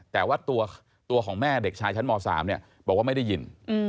แต่ว่าตัวของแม่เด็กชายชั้นม๓บอกว่าไม่ได้ยิน